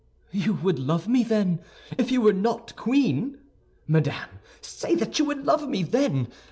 "You would love me, then, if you were not queen! Madame, say that you would love me then!